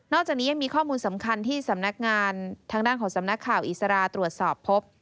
จากนี้ยังมีข้อมูลสำคัญที่สำนักงานทางด้านของสำนักข่าวอิสราตรวจสอบพบ